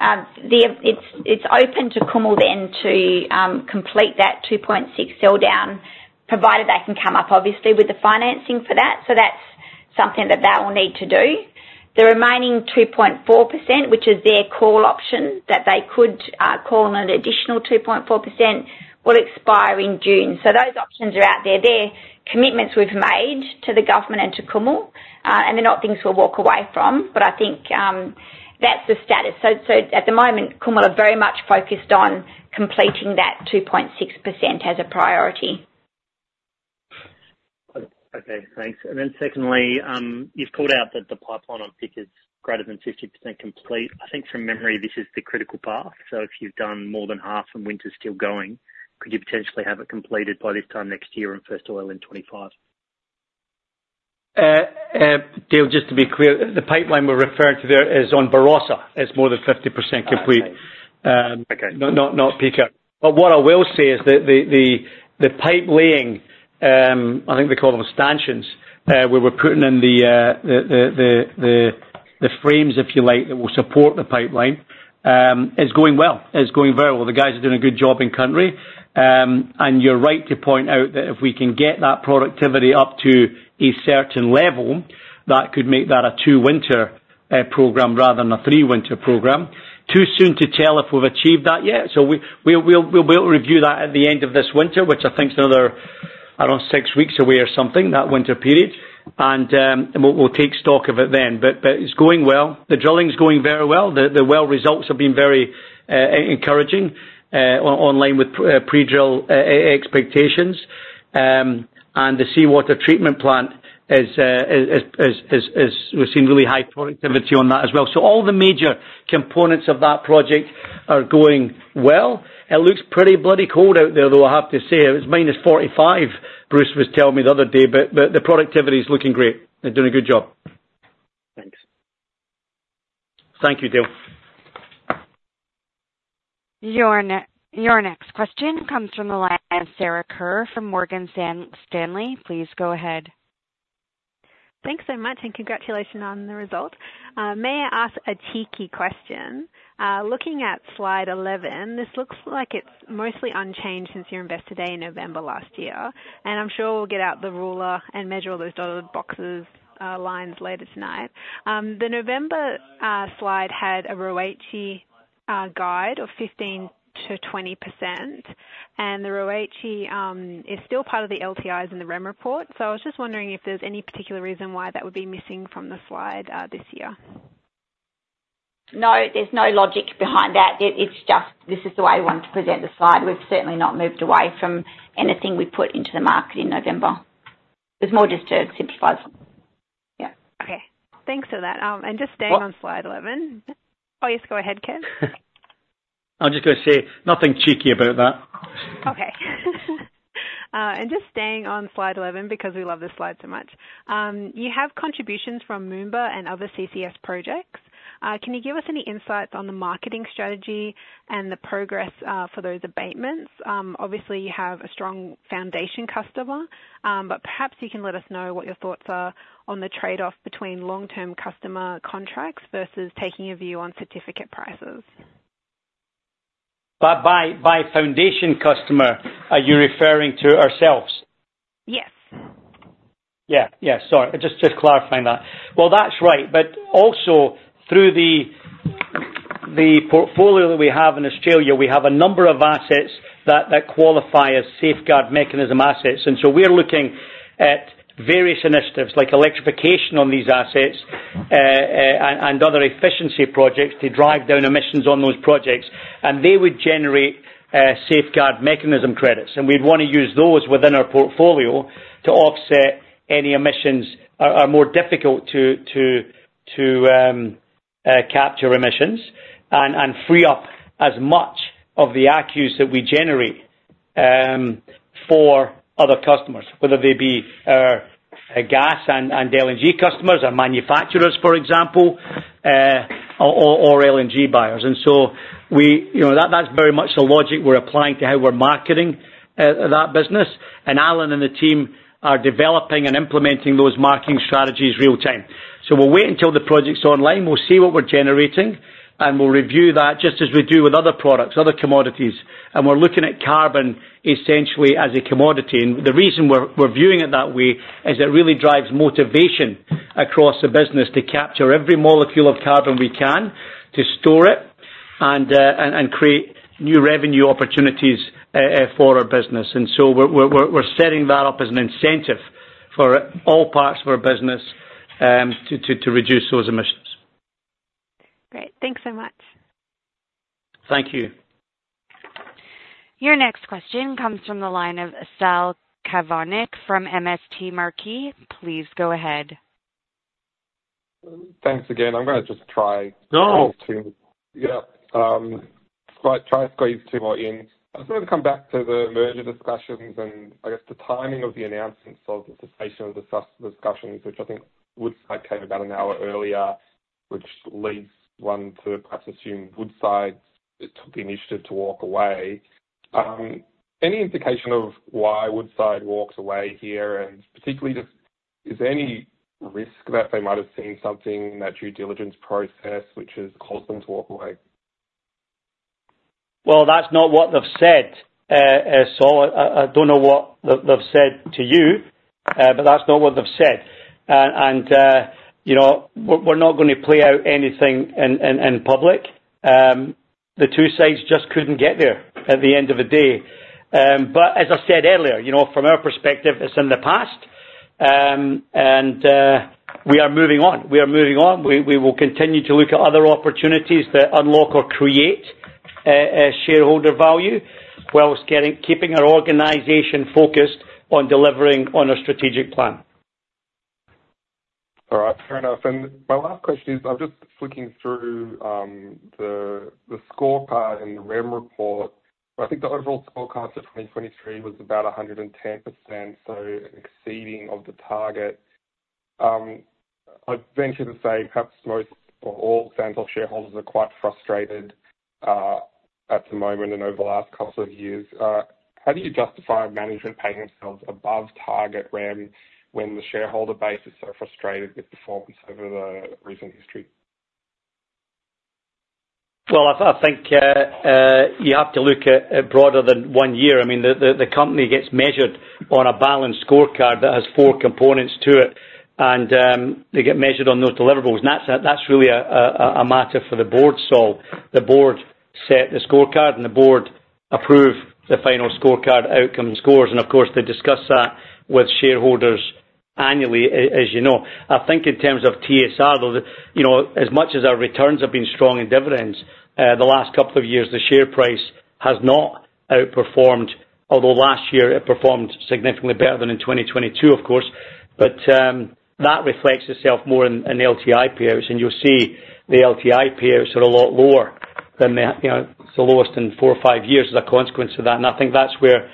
It's open to Kumul then to complete that 2.6 sell down, provided they can come up obviously with the financing for that. So that's something that they will need to do. The remaining 2.4%, which is their call option, that they could call on an additional 2.4%, will expire in June. So those options are out there. They're commitments we've made to the government and to Kumul, and they're not things we'll walk away from, but I think that's the status. At the moment, Kumul are very much focused on completing that 2.6% as a priority. Okay, thanks. And then secondly, you've called out that the pipeline on Pikka is greater than 50% complete. I think from memory, this is the critical path. So if you've done more than half and winter's still going, could you potentially have it completed by this time next year and first oil in 2025? Dale, just to be clear, the pipeline we're referring to there is on Barossa, is more than 50% complete. Not Picard. But what I will say is that the pipe laying, I think they call them stanchions, where we're putting in the frames, if you like, that will support the pipeline, is going well. It's going very well. The guys are doing a good job in country. And you're right to point out that if we can get that productivity up to a certain level, that could make that a 2-winter program rather than a 3-winter program. Too soon to tell if we've achieved that yet, so we'll review that at the end of this winter, which I think is another around 6 weeks away or something, that winter period. And we'll take stock of it then. But it's going well. The drilling's going very well. The well results have been very encouraging, online with pre-drill expectations. The seawater treatment plant is. We've seen really high productivity on that as well. So all the major components of that project are going well. It looks pretty bloody cold out there, though, I have to say. It was minus 45, Bruce was telling me the other day, but the productivity is looking great. They're doing a good job. Thanks. Thank you, Dale. Your next question comes from the line of Sarah Kerr from Morgan Stanley. Please go ahead. Thanks so much, and congratulations on the result. May I ask a cheeky question? Looking at slide 11, this looks like it's mostly unchanged since your Investor Day in November last year, and I'm sure we'll get out the ruler and measure all those dotted boxes, lines later tonight. The November slide had a ROICE guide of 15%-20%, and the ROICE is still part of the LTIs in the Rem Report. So I was just wondering if there's any particular reason why that would be missing from the slide this year? No, there's no logic behind that. It's just this is the way we want to present the slide. We've certainly not moved away from anything we put into the market in November. It's more just to simplify. Yeah. Okay. Thanks for that. Just staying on slide 11. What- Oh, yes, go ahead, Ken. I was just gonna say, nothing cheeky about that. Okay. And just staying on slide 11, because we love this slide so much. You have contributions from Moomba and other CCS projects. Can you give us any insights on the marketing strategy and the progress for those abatements? Obviously, you have a strong foundation customer, but perhaps you can let us know what your thoughts are on the trade-off between long-term customer contracts versus taking a view on certificate prices. By foundation customer, are you referring to ourselves? Yes. Yeah. Yeah, sorry. Just clarifying that. Well, that's right. But also, through the portfolio that we have in Australia, we have a number of assets that qualify as Safeguard Mechanism assets. And so we're looking at various initiatives, like electrification on these assets, and other efficiency projects to drive down emissions on those projects. And they would generate Safeguard Mechanism credits, and we'd want to use those within our portfolio to offset any emissions that are more difficult to capture emissions, and free up as much of the ACCUs that we generate for other customers, whether they be gas and LNG customers or manufacturers, for example, or LNG buyers. And so we, you know, that's very much the logic we're applying to how we're marketing that business. Alan and the team are developing and implementing those marketing strategies real time. So we'll wait until the project's online, we'll see what we're generating, and we'll review that just as we do with other products, other commodities, and we're looking at carbon essentially as a commodity. The reason we're viewing it that way is it really drives motivation across the business to capture every molecule of carbon we can, to store it, and create new revenue opportunities for our business. So we're setting that up as an incentive for all parts of our business to reduce those emissions. Great. Thanks so much. Thank you. Your next question comes from the line of Saul Kavonic from MST Marquee. Please go ahead. Thanks again. I'm gonna just try- No! Yeah, try to squeeze two more in. I just wanna come back to the merger discussions and I guess the timing of the announcements of the cessation of discussions, which I think Woodside came about an hour earlier.... which leads one to perhaps assume Woodside took the initiative to walk away. Any indication of why Woodside walks away here? And particularly, just, is there any risk that they might have seen something in that due diligence process which has caused them to walk away? Well, that's not what they've said, Saul. I don't know what they've said to you, but that's not what they've said. And, you know, we're not gonna play out anything in public. The two sides just couldn't get there at the end of the day. But as I said earlier, you know, from our perspective, it's in the past. And, we are moving on. We are moving on. We will continue to look at other opportunities that unlock or create shareholder value, whilst getting-- keeping our organization focused on delivering on our strategic plan. All right, fair enough. My last question is, I'm just flicking through the scorecard and the REM report. I think the overall scorecard for 2023 was about 110%, so exceeding of the target. I'd venture to say perhaps most or all Santos shareholders are quite frustrated at the moment and over the last couple of years. How do you justify management paying themselves above target REM, when the shareholder base is so frustrated with performance over the recent history? Well, I think you have to look at it broader than one year. I mean, the company gets measured on a balanced scorecard that has four components to it, and they get measured on those deliverables. And that's really a matter for the board, Saul. The board set the scorecard, and the board approve the final scorecard outcome and scores, and of course, they discuss that with shareholders annually, as you know. I think in terms of TSR, though, you know, as much as our returns have been strong in dividends, the last couple of years, the share price has not outperformed. Although last year it performed significantly better than in 2022, of course. But, that reflects itself more in LTI peers, and you'll see the LTI peers are a lot lower than the, you know, it's the lowest in four or five years as a consequence of that. And I think that's where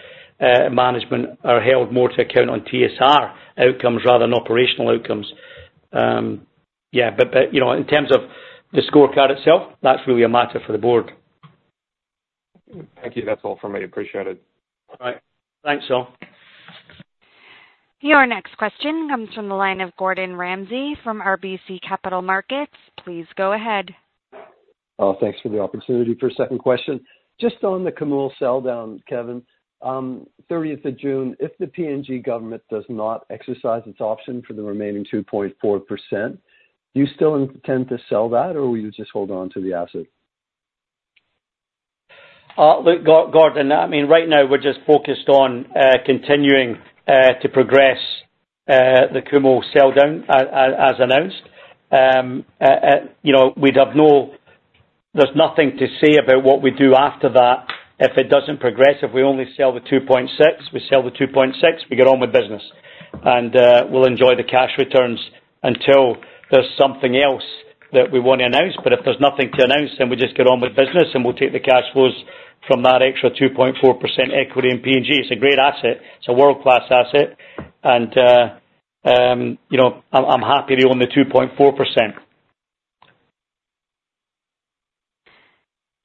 management are held more to account on TSR outcomes rather than operational outcomes. Yeah, but, you know, in terms of the scorecard itself, that's really a matter for the board. Thank you. That's all for me. Appreciate it. All right. Thanks, Saul. Your next question comes from the line of Gordon Ramsay from RBC Capital Markets. Please go ahead. Thanks for the opportunity for a second question. Just on the Kumul sell down, Kevin, thirtieth of June, if the PNG government does not exercise its option for the remaining 2.4%, do you still intend to sell that, or will you just hold on to the asset? Look, Gordon, I mean, right now we're just focused on continuing to progress the Kumul sell down as announced. You know, there's nothing to say about what we do after that. If it doesn't progress, if we only sell the 2.6, we sell the 2.6, we get on with business. And we'll enjoy the cash returns until there's something else that we want to announce. But if there's nothing to announce, then we just get on with business, and we'll take the cash flows from that extra 2.4% equity in PNG. It's a great asset. It's a world-class asset, and you know, I'm happy to own the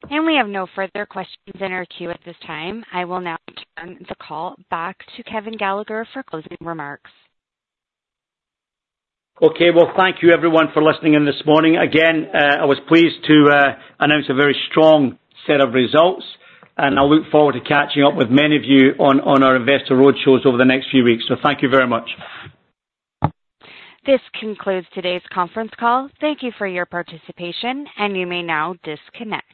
2.4%. We have no further questions in our queue at this time. I will now turn the call back to Kevin Gallagher for closing remarks. Okay. Well, thank you everyone for listening in this morning. Again, I was pleased to announce a very strong set of results, and I look forward to catching up with many of you on our investor roadshows over the next few weeks. So thank you very much. This concludes today's conference call. Thank you for your participation, and you may now disconnect.